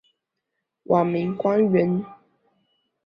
晚明官员。